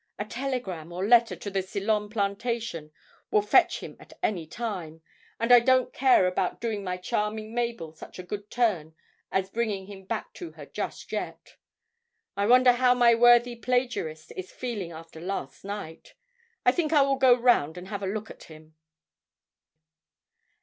A telegram or letter to the Ceylon plantation will fetch him at any time, and I don't care about doing my charming Mabel such a good turn as bringing him back to her just yet. I wonder how my worthy plagiarist is feeling after last night. I think I will go round and have a look at him.'